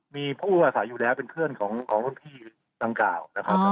มีผู้วิวารศัยอยู่แล้วเป็นเพื่อนของพี่สังกราว